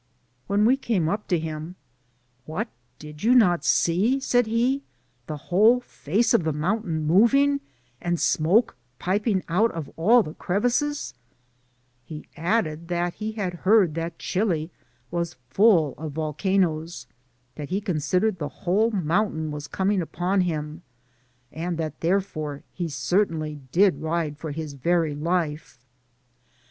When we came up to him, " What, did you not see,'' said he, " the whole face of the mountain moving, and smoke piping out of all the crevices ?*' He added he had heard that Chili was full of vol canoes, that he considered the whole mountain was coming upon hun, and that therefore he certainly did ride for his very life.